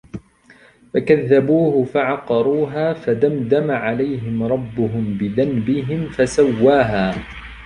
فَكَذَّبُوهُ فَعَقَرُوهَا فَدَمْدَمَ عَلَيْهِمْ رَبُّهُمْ بِذَنْبِهِمْ فَسَوَّاهَا